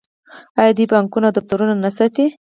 آیا دوی بانکونه او دفترونه نه ساتي؟